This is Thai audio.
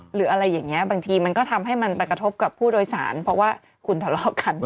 หรืออะไรอย่างนี้บางทีมันก็ทำให้มันไปกระทบกับผู้โดยสารเพราะว่าคุณทะเลาะกัน